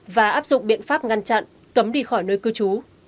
và áp dụng biện pháp ngăn chặn cấm đi khỏi nơi cư trú